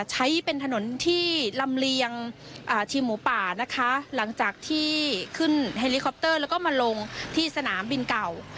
ใช้เป็นถนนที่ลำเลียงทีมหมูป่านะคะหลังจากที่ขึ้นเฮลิคอปเตอร์แล้วก็มาลงที่สนามบินเก่า